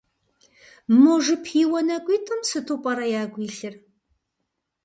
Мо жыпиуэ нэкӏуитӏым сыту пӏэрэ ягу илъыр?